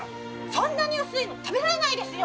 そんなに薄いの食べられないですよ。